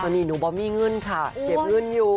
วันนี้หนูบ้าวมีเงื่อนค่ะเก็บเงื่อนอยู่